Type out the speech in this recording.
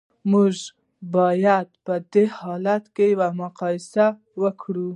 موږ باید په دې حالت کې یوه مقایسه وکړو